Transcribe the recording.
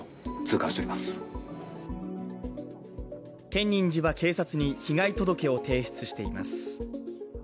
建仁寺は警察に被害届を提出しています。